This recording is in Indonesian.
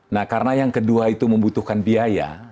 nah karena yang kedua itu membutuhkan biaya